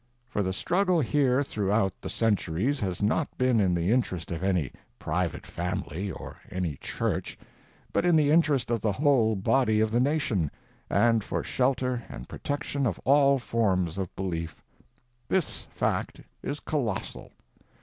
For the struggle here throughout the centuries has not been in the interest of any private family, or any church, but in the interest of the whole body of the nation, and for shelter and protection of all forms of belief. This fact is colossal.